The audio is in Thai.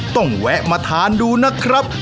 แวะมาทานดูนะครับ